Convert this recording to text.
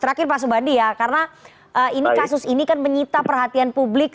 terakhir pak subandi ya karena ini kasus ini kan menyita perhatian publik